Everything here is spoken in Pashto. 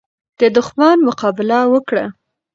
د دښمن مقابله وکړه.